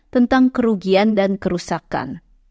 tentang kerugian dan kerusakan